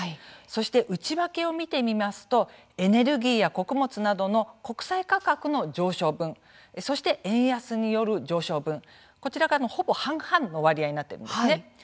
そして内訳を見てみますとエネルギーや穀物などの国際価格の上昇分そして円安による上昇分こちらが、ほぼ半々の割合になっているんですね。